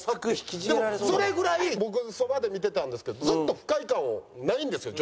でもそれぐらい僕そばで見てたんですけどずっと不快感ないんですよ